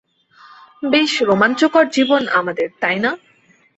বেশ রোমাঞ্চকর জীবন আমাদের, তাইনা?